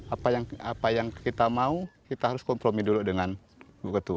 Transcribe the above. apa yang kita mau kita harus kompromi dulu dengan bu ketua